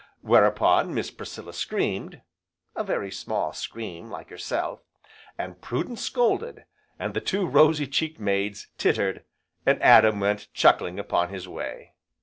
Whereupon Miss Priscilla screamed, (a very small scream, like herself) and Prudence scolded, and the two rosy cheeked maids tittered, and Adam went chuckling upon his way.